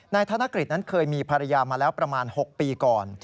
ธนกฤษนั้นเคยมีภรรยามาแล้วประมาณ๖ปีก่อน